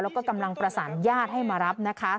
แล้วก็กำลังประสานญาติให้มารับนะคะ